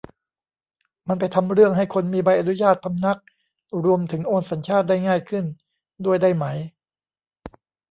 มันไปทำเรื่องให้คนมีใบอนุญาติพำนัก รวมถึงโอนสัญชาติได้ง่ายขึ้นด้วยได้ไหม